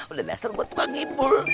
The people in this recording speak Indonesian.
udah dasar buat tukang ngipul